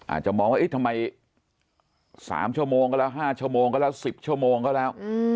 อาจจะมองว่าทำไม๓ชั่วโมงก็แล้ว๕ชั่วโมงก็แล้ว๑๐ชั่วโมงก็แล้ว